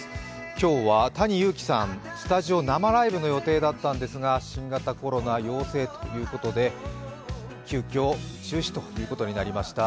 今日は、ＴａｎｉＹｕｕｋｉさん、スタジオ生ライブの予定だったのですが新型コロナ陽性ということで急きょ中止になりました。